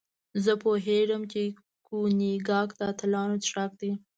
زه پوهېږم چې کونیګاک د اتلانو څښاک دی.